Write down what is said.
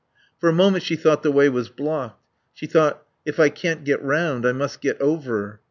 For a moment she thought the way was blocked. She thought: If I can't get round I must get over.